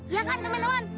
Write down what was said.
iya kan teman teman